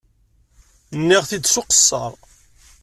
Nniɣ-t-id s uqeṣṣer.